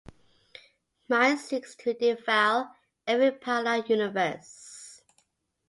Mind seeks to devour every parallel universe.